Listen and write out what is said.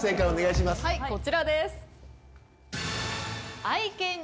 はいこちらです。